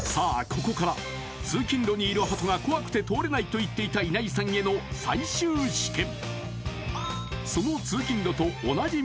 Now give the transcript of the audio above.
ここから通勤路にいる鳩が怖くて通れないと言っていた稲井さんへの最終試験！